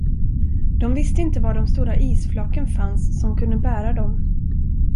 De visste inte var de stora isflaken fanns, som kunde bära dem.